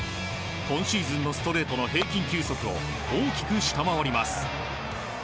今シーズンのストレートの平均球速を大きく下回ります。